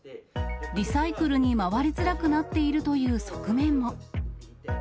リサイクルに回りづらくなっているという側面も。